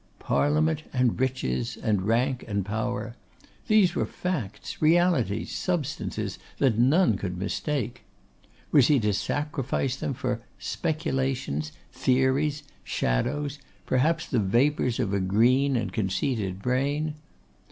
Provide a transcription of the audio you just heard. Parliament and riches, and rank and power; these were facts, realities, substances, that none could mistake. Was he to sacrifice them for speculations, theories, shadows, perhaps the vapours of a green and conceited brain?